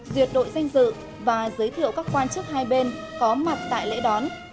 duyệt đội danh dự và giới thiệu các quan chức hai bên có mặt tại lễ đón